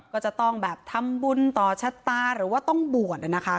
ก็จะต้องแบบทำบุญต่อชะตาหรือว่าต้องบวชนะคะ